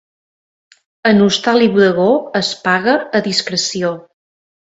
En hostal i bodegó es paga a discreció.